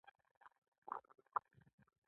تاسو کورنی کارونه کوئ؟ هو، هره ورځ